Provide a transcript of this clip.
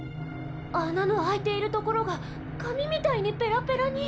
穴の空いている所が紙みたいにペラペラに。